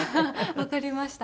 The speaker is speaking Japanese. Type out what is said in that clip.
わかりました。